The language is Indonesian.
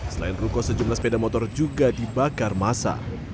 selain ruko sejumlah sepeda motor juga dibakar masa